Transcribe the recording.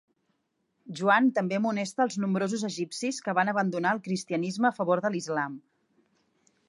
Joan també amonesta els nombrosos egipcis que van abandonar el cristianisme a favor de l'islam.